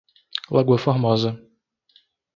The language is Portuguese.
Lagoa Formosa